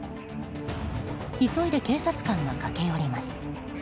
急いで警察官が駆け寄ります。